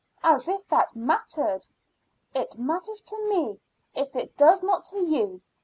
"As if that mattered." "It matters to me, if it does not to you.